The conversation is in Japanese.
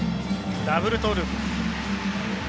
ダブルトーループ。